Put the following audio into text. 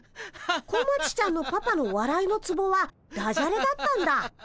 小町ちゃんのパパのわらいのツボはダジャレだったんだ。